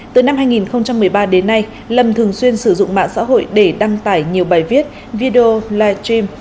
từ năm hai nghìn một mươi ba đến nay lâm thường xuyên sử dụng mạng xã hội để đăng tải nhiều bài viết video live stream